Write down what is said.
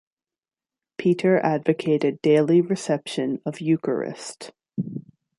Peter advocated daily reception of Eucharist.